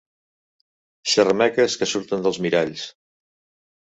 Xerrameques que surten dels miralls.